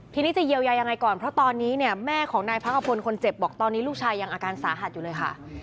ทีนี้จะเยียวยายังไงก่อนเพราะตอนนี้เนี่ยแม่ของนายพักขพลคนเจ็บบอกตอนนี้ลูกชายยังอาการสาหัสอยู่เลยค่ะ